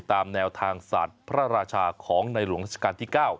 ตามแนวทางศาสตร์พระราชาของในหลวงราชการที่๙